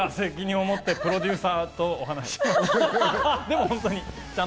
僕が責任をもってプロデューサーとお話しします。